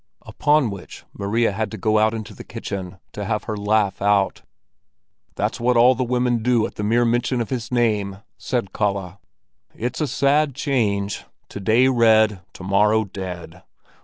Upon which Maria had to go out into the kitchen to have her laugh out. "That's what all the women do at the mere mention of his name," said Kalle. "It's a sad change. To day red, to morrow dead.